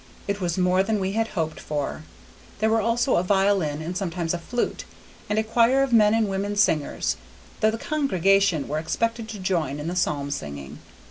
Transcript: It was more than we had hoped for. There were also a violin and sometimes a flute, and a choir of men and women singers, though the congregation were expected to join in the psalm singing.